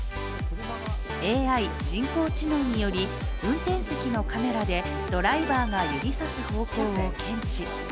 ＡＩ＝人工知能により運転席のカメラでドライバーが指さす方向を検知。